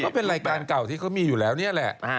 เป็นรายการเก่าที่เขามีอยู่แล้วนี่แหละ